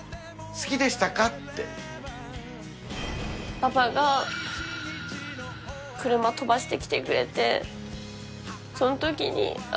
パパが車飛ばして来てくれてその時にああ